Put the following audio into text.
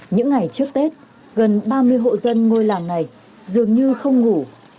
những ngày trước tết gần ba mươi hộ dân ngôi làng này dường như không ngủ